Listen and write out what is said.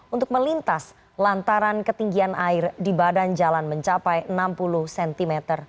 untuk melintas lantaran ketinggian air di badan jalan mencapai enam puluh cm